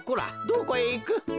どこへいく？